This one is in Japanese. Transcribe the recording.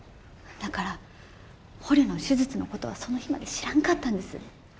だから捕虜の手術のことはその日まで知らんかったんです。